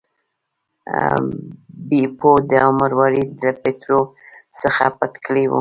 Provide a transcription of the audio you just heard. بیپو دا مروارید له پیټرو څخه پټ کړی و.